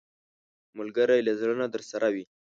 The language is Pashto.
ملګری له زړه نه درسره وي